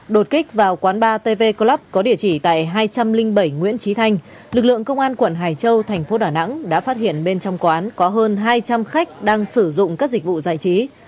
đột kích vào quán ba tv club có địa chỉ tại hai trăm linh bảy nguyễn trí thanh lực lượng công an quận hải châu thành phố đà nẵng đã phát hiện bên trong quán có hơn hai trăm linh khách đang sử dụng các dịch vụ giải trí